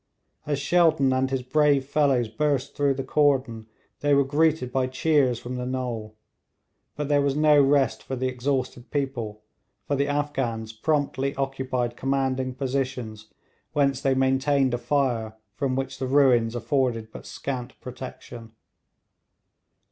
As Shelton and his brave fellows burst through the cordon they were greeted by cheers from the knoll. But there was no rest for the exhausted people, for the Afghans promptly occupied commanding positions whence they maintained a fire from which the ruins afforded but scant protection.